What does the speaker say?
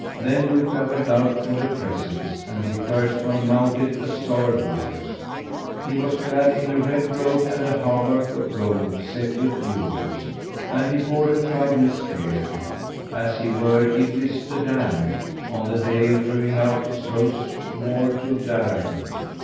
Then Luka went out from the presence and the accursed one mounted a sorrel horse; he was clad in a red robe and a hauberk of gold set with jewels, and he bore a trident spear, as he were Iblis the damned on the day of drewing out his hosts war to darraign.